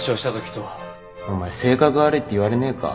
お前性格悪いって言われねえか？